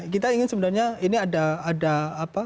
kita ingin sebenarnya ini ada apa